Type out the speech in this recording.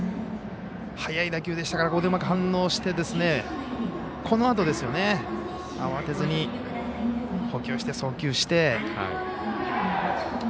速い打球でしたからうまく反応してこのあと、慌てずに捕球して送球して。